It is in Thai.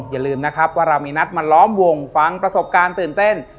อย่าลืมนะครับว่าเรามีนัดมาล้อมวงฟังประสบการณ์ตื่นเต้น